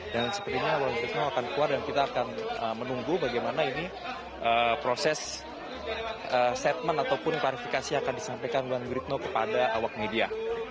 dan sepertinya wulan guritno akan keluar dan kita akan menunggu bagaimana ini proses statement ataupun klarifikasi yang akan disampaikan wulan guritno kepada awak media